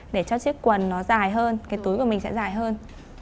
để cho chiếc quần nó dài hơn cái túi của mình sẽ dài hơn